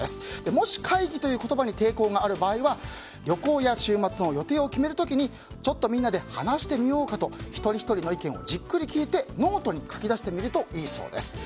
もし会議という言葉に抵抗がある場合は旅行や週末の予定を決める時にちょっと話してみようかと一人ひとりの意見をじっくり聞いてノートに書き出してみるといいそうです。